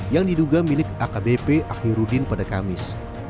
yang diduga milik akbp akhirudin pada kamis